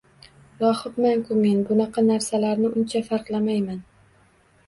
Rohibman-ku men, bunaqa narsalarni uncha farqlamayman.